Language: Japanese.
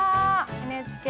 ＮＨＫ